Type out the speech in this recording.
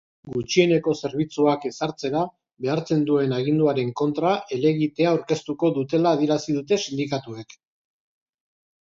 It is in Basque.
Gutxieneko zerbitzuak ezartzera behartzen duen aginduaren kontra helegitea aurkeztuko dutela adierazi dute sindikatuek.